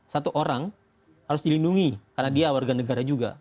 satu orang harus dilindungi karena dia warga negara juga